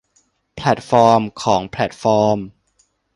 แพลตฟอร์มของแพลตฟอร์ม